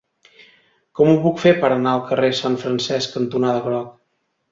Com ho puc fer per anar al carrer Sant Francesc cantonada Groc?